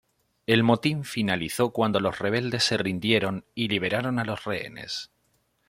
El motín finalizó cuando los rebeldes se rindieron y liberaron a los rehenes.